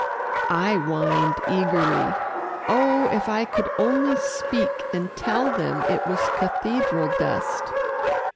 I whined eagerly. Oh, if I could only speak, and tell them it was cathedral dust.